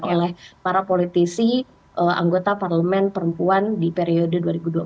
oleh para politisi anggota parlemen perempuan di periode dua ribu dua puluh empat dua ribu dua puluh sembilan